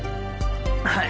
はい！